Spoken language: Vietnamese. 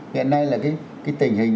hiện nay là cái tình hình